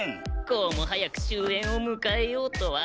こうも早く終焉を迎えようとは。